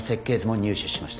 入手しました